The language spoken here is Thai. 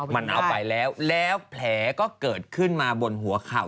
มันเอาไปแล้วแล้วแผลก็เกิดขึ้นมาบนหัวเข่า